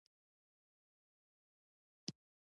دا کلیسا په درې سوه نهه نوي میلادي کال کې جوړه شوې وه.